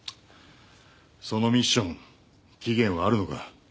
そのミッション期限はあるのか？